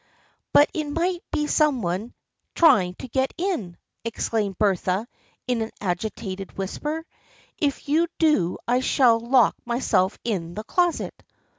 " But it might be some one trying to get in !" exclaimed Bertha in an agitated whisper. " If you do I shall lock myself in the closet."